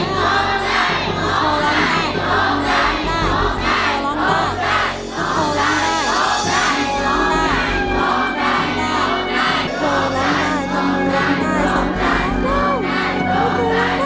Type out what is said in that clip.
โลกใจโลกใจโลกใจ